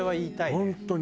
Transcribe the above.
本当に。